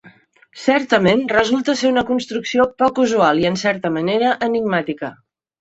Certament resulta ser una construcció poc usual i en certa manera enigmàtica.